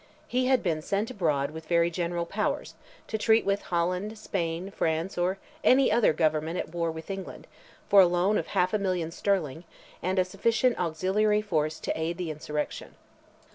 He had been sent abroad with very general powers, to treat with Holland, Spain, France, or any other government at war with England, for a loan of half a million sterling, and a sufficient auxiliary force to aid the insurrection.